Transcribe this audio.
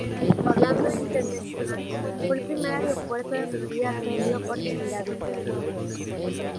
Orlando International fue el primer aeropuerto de Florida atendido por Emirates.